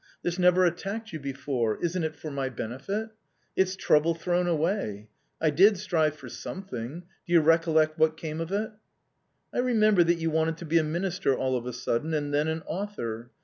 This never attacked you before. Isn't it for my benefit ? It's trouble thrown away ! I did strive for something .... do you recollect what came ofit?" " I remember that you wanted to be a minister all of a sudden, and then an author.